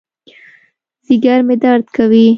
ځېګر مې درد کوي